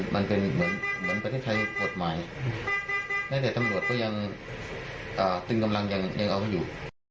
มันเป็นเหมือนประเทศไทยกฎหมายแม้แต่ตำรวจก็ยังตึงกำลังยังเอาอยู่